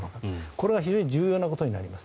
これは非常に重要なことになります。